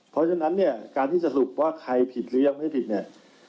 เพราะฉะนั้นเนี่ยการที่จะสรุปว่าใครผิดหรือยังไม่ผิดเนี่ย